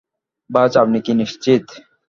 বায, আপনি কি নিশ্চিত?